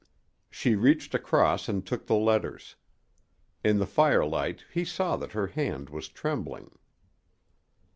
She reached across and took the letters. In the firelight he saw that her hand was trembling.